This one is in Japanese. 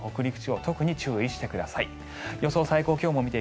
特に注意してください。